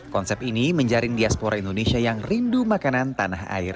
konsep ini menjaring diaspora indonesia yang rindu makanan tanah air